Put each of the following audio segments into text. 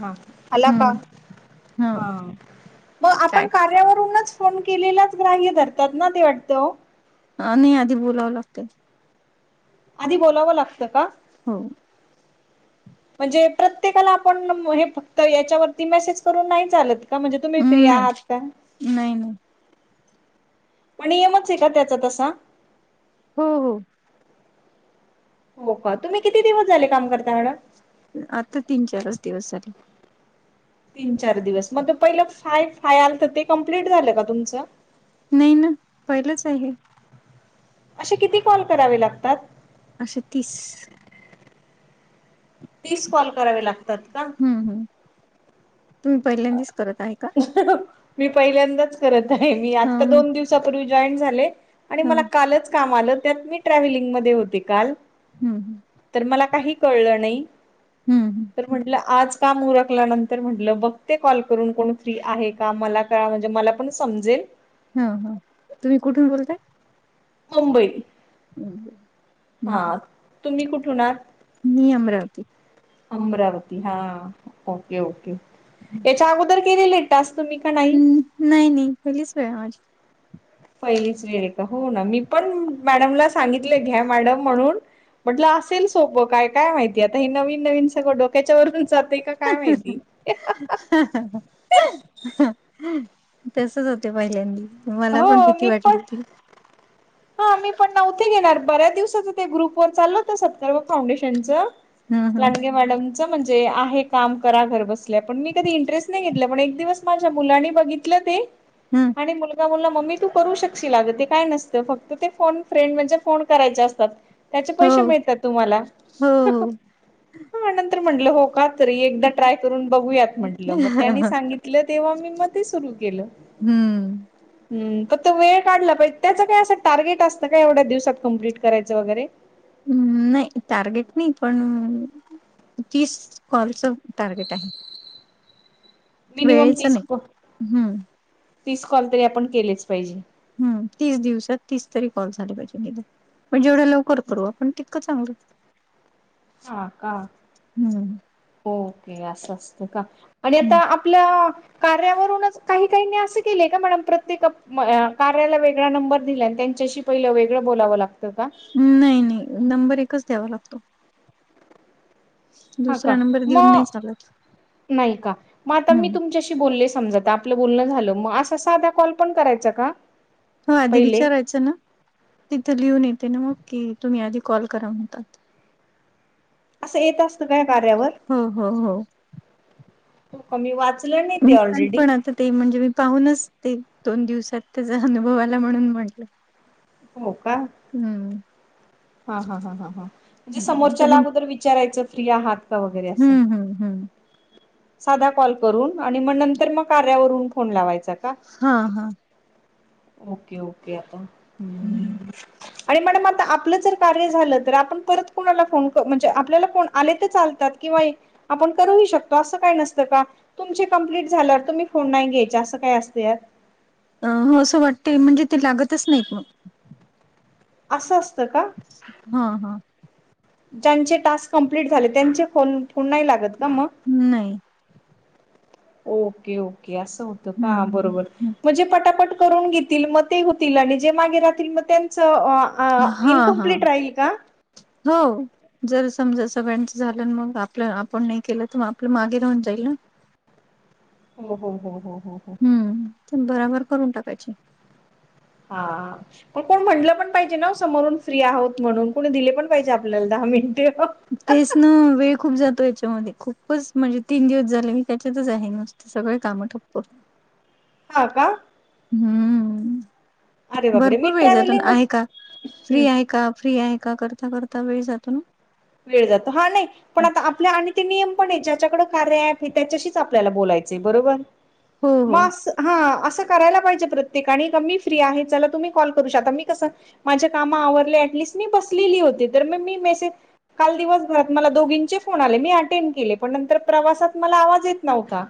हा आला का? हम्म हो हा मग काय आपण कार्यावरूनचं फोन केलेलाच ग्राह्य धरतात ना ते वाटतं ओ. ह नाही आधी बोलावं लागते. आधी बोलावं लागतं का? हो. म्हणजे प्रत्येकाला आपण हे फक्त याच्यावरती मेसेज करून नाही चालत का म्हणजे तुम्ही फ्री हम्म नाही आहात का? नाही नाही. म नियमच आय का त्याचा तसा. हो हो. हो का तुम्ही किती दिवस झाले काम करता मॅडम? आता तीन चारच दिवस झाले. तीन चार दिवस मग ते पहिलं फाय फाय आलत ते कम्प्लीट झालं का तुमचं? नाही ना पहिलंचाय हे. अशे किती कॉल करावे लागतात. अशे तीस. तीस कॉल करावे लागत हम्म हम् तुम्ही पहिल्यांदीच करत आहे का? मी पहिल्यांदाच करत आहे मी ह आत्ता दोन दिवसापूर्वी जॉईन झाले. आणि ह मला कालच काम आलं त्यात मी ट्रॅव्हेव्लिंग मध्ये होते काल. हम् हम. तर मला काही कळलं नाही हम्म तर म्हटलं आज काम उरखल्यानंतर म्हटलं बघ ते कॉल करून कोण फ्री आहे का मला का म्हणजे मला पण समजेल. ह हा तुम्ही कुठून बोलताय? मुंबई. हम्. हा तुम्ही कुठन आहात? ही अमरावती. अमरावती हा ओके ओके याच्या अगोदर केलेली टास्क तुम्ही? का नाही हम्म नाही नाही पयलीच वेळ आहे माझी. पहिलीच वेळय का हो ना मी पण मॅडमला सांगितलं घ्या मॅडम म्हणून. म्हटलं असेल सोपं काय काय माहिती आता हे नवीन नवीन सगळं डोक्याच्या वरूनच जातेय क [inaudible] तसच होते पहिल्यांदी. मला पण हो भीती मी वाटली पण होती हा मी पण ना उथे घेणार बऱ्याच दिवसाच ते ग्रुप वर चालल होत सत्कार फाउंडेशनच ह ह लांडगे मॅडम. च म्हणजे आहे काम करा घर बसल्या पण मी कधी इंटरेस्ट नाही घेतलं पण एक दिवस माझ्या मुलांनी बघितलं ते ह आणि मुल मला म्हंटला मम्मी तू करू शकशील अग ते काय नसतं फक्त ते फोन फ्रेंड म्हणजे फोन करायचे असतात त्याचे हो पैसे मिळतात तुम्हाला हो हो नंतर म्हटलं हो का तरी एकदा ट्राय करून बघूयात म्हंटलं मग त्यांनी सांगितलं तेव्हा मी म ते सुरू केलं. हम्म. हम् तर त वेळ काढला पाहिजे त्याच काय असं टार्गेट असतं का एवढ्या दिवसात कम्प्लीट करायचं वगैरे. हम्म नाही टार्गेट नाही पण तीस कॉलच टार्गेट आहे. मिनिमम वेळेच तीस नाही क हम्म तीस कॉल तरी आपण केलेच पाहिजे. ह तीस दिवसात तीस तरी कॉल झाले पाहिजे निदान पण जेवढ लवकर करू आपण तीतक चांगलं. हा का हम्म ओके असं असत का आणि आता हम्म आपल्या कार्यावरूनच काही काही नी अस केलय का मॅडम प्रत्येक कार्याला वेगळा नंबर दिलाय आणि त्यांच्याशी पहिलं वेगळं बोलावं लागतं का? नाही नाही नंबर एकच द्यावा लागतो. ह का दुसरा नंबर म देऊन नाही चालत नाही का मग आता मी हम्म तुमच्याशी बोलले समजा त आपलं बोलण झाल मग असा साधा कॉल पण करायचा का? हो आधी पहिले? विचारायचं ना तिथे लिहून येते ना ओके तुम्ही आधी कॉल करा म्हणतात. असं येत असत काय कार्यावर. हो हो हो तु का मी वाचलं नायी ते नाही ऑलरेडी पण आता ते म्हणजे मी पाहूनच ते दोन दिवसात त्याचा अनुभव आला म्हणून म्हटलं हो का हम्म हा हा ह ह हा म्हणजे समोरच्याला तुम्ही अगोदर विचारायचं फ्री आहात? का वगैरे असं. हम्म हम्म हम्म साधा कॉल करून आणि मग नंतर मग कार्यावरून फोन लावायचा का? हा हा ओके ओके आता हं. हम् आणि मॅडम आता आपलं जर कार्य झालं तर आपण परत कोणाला फोन म्हणजे आपल्याला फोन आले तर चालतात? किंवा आपण करू ही शकतो असं काय नसतं का तुमची कम्प्लीट झाल्यावर तुम्ही फोन नाही घ्यायचे असं काय असतयात? अ हो असं वाटते म्हणजे ते लागतच नाहीत मग असं असतं का? हं हं ज्यांचे टास्क कंमप्लीट झाले त्यांचे फ फोन नाही लागत का मग? नाही. ओके ओके असं होतं हम्म का बरोबर हम्म म्हणजे पटापट करून घेतील म ते होतील आणि जे मागे राहतील मग त्यांच अ हा हा हो जर समजा सगळ्यांच झालं मग आपलं आपण नाही केलं, तर मग आपलं मागे राहून जाईल ना? हो हो हो हो हो हो हम्म ते भराभर करून टाकायचे. हा पण कोण म्हटलं पण पाहिजे ना समोरून फ्री आहोत म्हणून कोणी दिले पण पाहिजे आपल्याला दहा मिनटें तेच ना वेळ खूप जातो याच्यामध्ये खूपच म्हणजे तीन दिवस झाले मी त्याच्यातच आहे नुस ते सगळे कामं ठप्प हा का? अरे हम्म बापरे मी भरपूर वेळ जातो अन ट्रॅव्हलिंग होत हम्म फ्री आहे का फ्री आहे का करत. करता करता वेळ जातो ना वेळ जातो हा नायी पण आता आपल्या आणि ते नियम पण आहे. ज्याच्याकडे कार्या ॲपय त्याच्याशीच आपल्याला बोलायचय बरोबर हो, हो. मग असं हा असं करायला पाहिजे प्रत्येकाने का मी फ्री आहे. चला तुम्ही कॉल करू शकता आता मी कसं माझ्या काम आवरले ऍटलिस्ट मी बसलेली होती. तर मग मी मेसेज काल दिवसभरात मला दोघींचे फोन आले मी अटेंड केले पण नंतर प्रवासात मला आवाज येत नव्हता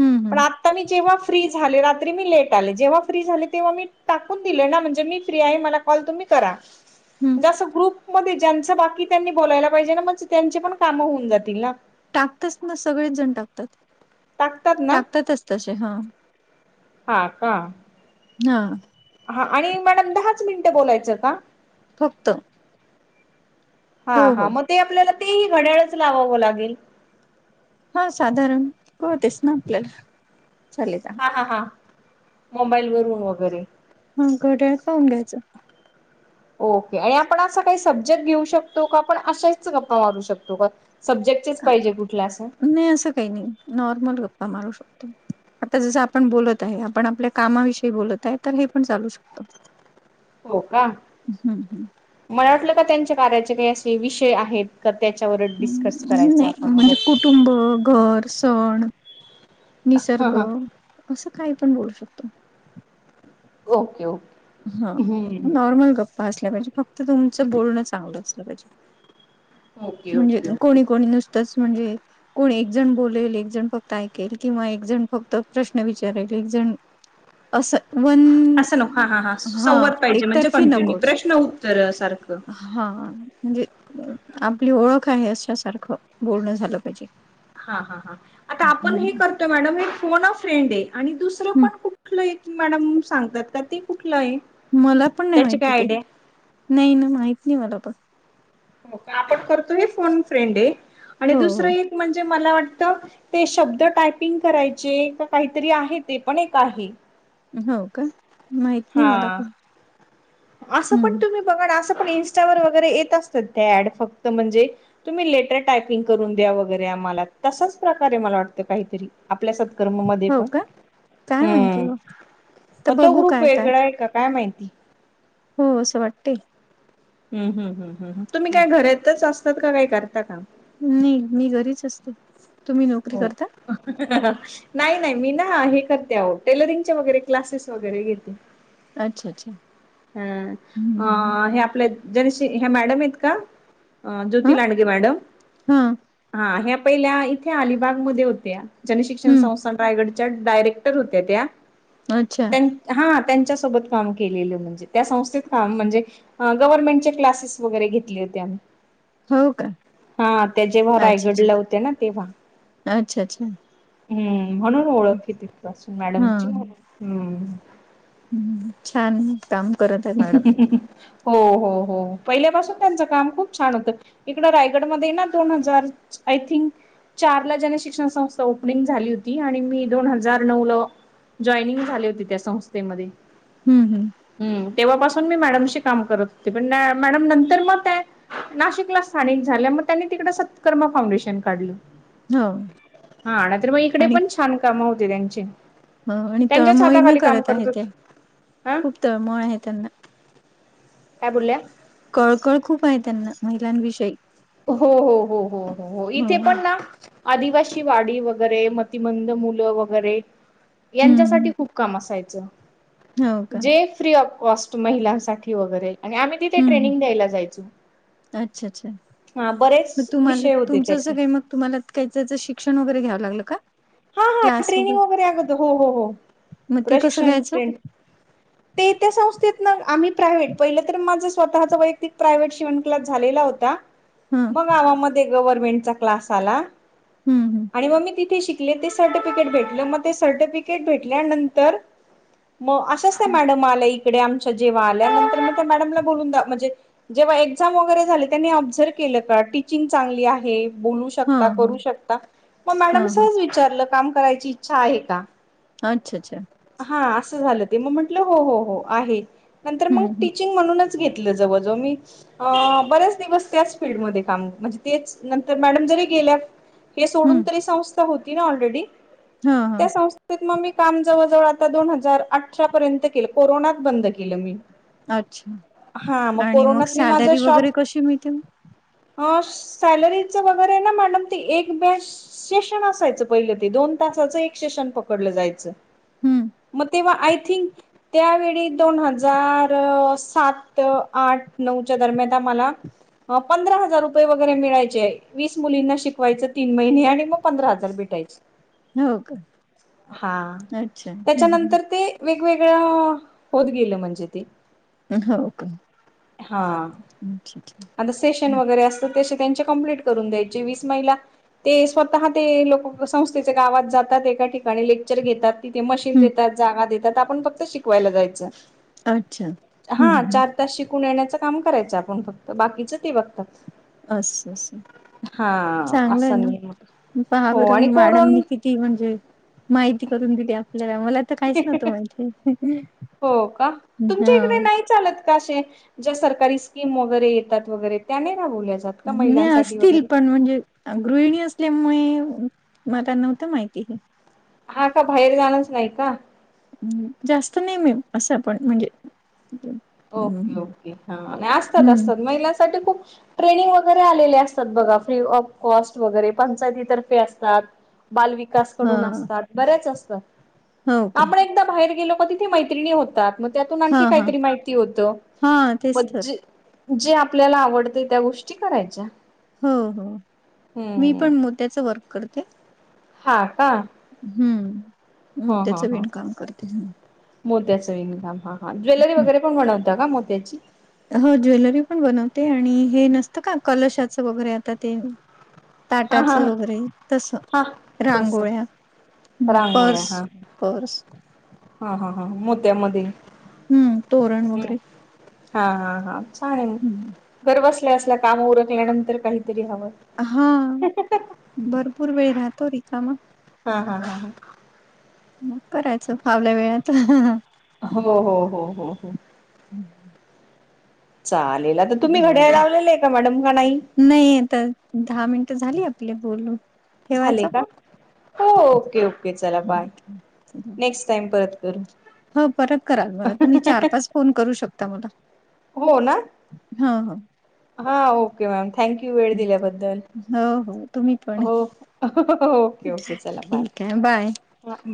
हं, पण हं, आता मी जेव्हा फ्री झाले रात्री मी लेट आले जेव्हा फ्री झाले. तेव्हा मी टाकून दिले ना म्हणजे मी फ्री आहे. मला कॉल तुम्ही करा हं. जसं ग्रुपमध्ये ज्यांनचं बाकीय त्यांनी बोलायला पाहिजे ना म त्यांचे पण कामं होऊन जातील ना टाकतात ना सगळेच जण टाकतात टाकतात ना टाकतातच तसे हां हा का हा हा आणि मॅडम दहाच मिनिटं बोलायचं का? फक्त! हा हो, हा हो. मग ते आपल्याला तेही घड्याळच लावावं लागेल. हा साधारण कळतेच ना आपल्याला झालेला हा हा हा मोबाईल वरून वगैरे हा घड्याळ पाहून घ्यायचं ओके आणि आपण असं काही सब्जेक्ट घेऊ शकतो. का आपण अशाच गप्पा मारू शकतो का सब्जेक्ट चेस अ, पाहिजे कुठल्या आस. नाही असं. काही नाही नॉर्मल गप्पा मारू शकतो. आता जसं आपण बोलत आहे. आपण आपल्या कामाविषयी बोलत आहे तर हे पण चालू शकत. हो का हं. मला वाटलं का त्यांच्या कार्याचे काही असे विषय आहेत. क त्याच्यावरच डिस्कस हं, करायच नाही आपण. म्हणजे [unintelligible] कुटुंब, घर, सण, हा निसर्ग, हा असं काही पण बोलू शकतो. Okay okay. हा हम्म नॉर्मल गप्पा असल्या पाहिजे फक्त तुमचं बोलणं चांगलं असलं पाहिजे. ओके म्हणजे ओके ओके कोणी कोणी नुसतच म्हणजे. कोण एक जण बोलेल एकजण फक्त ऐकेल किंवा एक जण फक्त प्रश्न विचारेल एक जण असं वन ह [inaudible] असं नको हा हा हा संवाद पाहिजे म्हणजे एकतर्फी कंटिन्यू नकोच प्रश्न उत्तर सारखं. हा म्हणजे आपली ओळख आहे अशसारखं बोलण झालं पाहिजे. हा हा हा आता आपण हे हम्म करतोय मॅडम हे फोन फ्रेंड हे आणि दुसरं हम्म पण कुठलं एक. मॅडम सांगतात का ते कुठलं हे. मला पण नाही माहिती ते नाही ना, माहत नाही मला पण. हो का आपण करतोय फोन फ्रेंड हे आणि हो हो. दुसरं एक म्हणजे मला वाटत ते शब्द टायपिंग करायचे का काहीतरी आहे ते पण एक आहे. हव का माहत हा नाही मला पण हम्म. बघ डअसं पण ईंन्टा वर वगैरे येत असतात ते ऍड फक्त म्हणजे. तुम्ही लेटर टायपिंग करून द्या वगैरे आम्हाला तसाच प्रकारे मला वाटतं काहीतरी आपल्या सत. कर्म मधे हो पण का काय माहिती हम्म हो म तो ग्रुप. काय का माहिती. हो असं वाटते. हम्म हम्म हम्म हम्म ह तुम्ही काय घरातच असतात का काही करता काम? नाही मी घरीच असतो तुम्ही नोकरी करता? [unintelligible] नाही नाही मी ना हे करते आओ टेलरिंगच्या वगैरे क्लासेस वगैरे घेते. अच्छा अच्छा हा हम्म अं हे आपल्येत. जन शी ह्या मॅडम हेत का ह ज्योती लांडगे मॅडम हा हा ह्या प पहिल्या इथे अलिबाग मध्ये होत्या जनशिक्षण हम्म संस्थान रायगडच्या डायरेक्टर होत्या त्या. अच्छा त्यांन हा त्यांच्या सोबत काम केलेलं म्हणजे त्या संस्थेत काम म्हणजे. ह गव्हर्नमेंटचे क्लासेस वगैरे घेतले होते आम्ही. हो का हा त्या जेव्हा अच्छा अच्छा रायगडला होत्या ना तेव्हा. अच्छा अच्छा. हम्म म्हणून ओळखे तिथपासून हा मॅडमची हम्म. हम्म हम्म छान हम्म. काम करत हाय. हो हो हो पहिल्यापासून त्यांच काम खूप छान होत. इकड रायगडमध्येध्ये ना दोन हजार आय थिंक. चार ला जन शिक्षण संस्था ओपनिंग झाली होती आणि मी दोन हजार नऊ ल जॉइनिंग झाली होती त्या संस्थेमध्ये. हम्म हम्म. हम्म तेव्हापासून मी मॅडमशी काम करत होती पण मॅडम नंतर मग त्या [unintelligible] नाशिकला स्थानिक झाल्या म त्यांनी तिकड सत्कर्म फाउंडेशन काढलं. हो हा नाही तर मग इकडे पण छान कामं होते त्यांचे. ह आणि त्यांच्याच तळमळीने हाताखाली काम करत आहे होत. ते हा खूप तळमळ आहे त्यांना. काय बोल्या. कळकळ खूप आहे त्यांना महिलां विषयी. हो हो हो हो हो हो इथे पण ना आदिवासी वाडी वगैरे मतिमंद मुलं वगैरे हम्म यांच्यासाठी हम्म खूप काम असायचं हो का जे फ्री ऑफ कॉस्ट महिलांसाठी वगैरे आणि आम्ही तिथे हम्म ट्रेनिंग द्यायला जायचो. अच्छा अच्छा हा मग बरेच तुम्हाला विषय होते तुमचं अस त्याचे काही मग तुम्हाला काई त्याचं शिक्षण वगैरे घ्याल लागलं का. हा हा ट्रेनिंग वगैरे [unintelligible] हो हो हो मग ते कसं प्प्रशिक्षण घ्यायचं? ट्रेनी ते त्या संस्थेतन आम्ही प्रायव्हेट पहिलं तर माझं स्वतःचा वैयक्तिक प्रायव्हेट शिवन कलास झालेला होत ता हां. म गावा मध्ये गव्हर्मेंटचा क्लास आला हं हं आणि म मी तिथे शी. कले ते सर्टिफिकेट भेटले मग ते सर्टिफिकेट भेटल्यानंतर मग अशाच त्या हं. मॅडम आल्या इकडे आमच्या जेव्हा आल्या नंतर मग त्या मॅडमला बोलून द म्हणजे जेव्हा एक्झाम वगैर झाले त्यांनी ऑबझर्व केलं का टीचिंग चांगली आहे बोलू श शकता हां हां करू शकता मग मॅडम हां ने हां. सहज विचारलं काम करायची इच्छा आहे का. अच्छा अच्छा. हा असं झालं ते मग म्हटलं हो हो हो आहे नंतर हं मग हं टीचिंग म्हणूनच घेतलं जवळ जवळ मी अ बर्याच दिवस त्याच फीलल्डमध्ये काम म्हणजे तेच नंतर मॅडम जरी गेल्या हे सोडून हं. तरी संस्था होती ना ऑलरेडी हां हां. त्या संस्थेत मग मी काम जवळ जवळ आता दोन हजार अठरा पर्यंत केलं कोरोनात बंद केलं मी. अच्छा हा आणि मग कोरोनात मी माझा सॅलरी शॉप वगैरे कशी मिळते म. अ सॅलरीच वगैरे ना मॅडम ते एक बॅच सेशन असायचं पहिलं ते दोन तासाचं एक सेशन पकडलं जायचं. हम्म. मग तेव्हा आय थिंक त्यावेळी दोन हजार सात आठ नऊच्या दरम्यान आम्हाला पंधरा हजार रुपये वगैरे मिळायचे वीस मुलींना शिकवायचं तीन महिने आणि मग पंधरा हजार भेटायचे. हो का हा अ. त्याच्यानंतर ते वेगवेगळं होत गेलं म्हणजे ते. हो का हा ठीक आहे. आता सेशन वगैरे असतं ते त्यांचे कंम्प्लीट करून द्यायचे वीस महिला ते स्वतः ह ते लोक संस्थेच्या गावात जातात एका ठिकाणी लेक्चर घेतात. ते मशीन हं. देतात जागा देतात आपण फक्त शिकवायला जायचं अच्छा. हं हा हं. चार ता शिकून येण्याचं काम करायचं आपण फक्त बाकीचं ते बघतात. अस अस हा चांगलं आहे असं ना नाही हो आणि [unintelligible] मॅडमनी कोरोन कित ती म्हणजे माहिती करून दिली आपल्याला मला तर काहीच नव्हतं माहिती. हो का तुमच्या हां. इकडे नाहीत ज्या सरकारी स्कीम वगैरे येतात वगैरे त्या नाही राबवल्या जात. का नाही महिलांसाठी असतील वगैरे पण म्हणजे गृहिणी असल्यामुळे मला नव्हतं माहिती हे. हा का बाहेर जाणंच नाही का. जास्त नाही म्हण असं पण म्हणजे ओके ओके हा आणि असतात हम्म असतात महिलांसाठी खूप ट्रेनिंग वगैरे आलेले असतात बघा फ्री ऑफ कॉस्ट वगैरे पंचायतीतर्फे असतात बालविकास हा कडून असतात बरेच असतात हो का आपण एक एकदा बाहेर गेलो का तिथे मैत्रीणी होतात मग त्यातून आणखी हा हा काहीतरी माहिती होत हा तेच मग तर जे- जे आपल्याला आवडते त्या गोष्टी करायच्या. हो हो मी हम्म पण मोत्याचं वर्क करते. हा का? हम्म मोत्याचा विण काम करते. मोत्याचा विणकाम हा हा ज्वेलरी हम्म. वगैरे पण बनवता का मोत्याची? हो ज्वेलरी पण बनवते आणि हे नसतं का कलशाचं वगैरे आता ते हा ताटाच हा वगैरे तसं हा. तस रांगोळ्या, रांगोळ्या पर्स. हा पर्स हा हा हा मोत्यामध्ये. हम्म तोरण हम्म. वगैरे. हा हा हा छान आहे हम्म घर बसल्या बसल्या काम उरखल्यानंतर काहीतरी हवं. हा भरपूर वेळ राहतो रिकामा. हा हा हा. मग करायचं फावल्या वेळात. हो हो हो हो हो. हम्म हम्म. चालेल आता तुम्ही घड्या लावलेलं का मॅडम का नाही? नाही आता दहा मिनट झाली आपले बोलू. झाले का हो ओके ओके चला हा. बाय नेक्स्ट टाईम परत करू. हो परत करा मला तुम्ही चार-पाच फोन करू शकता मला. हो ना हा हाव. ओके मॅम थँक यू वेळ हो दिल्याबद्दल हो हो तुम्ही पण हो. ओके ओके चला ठीक आहे बाय.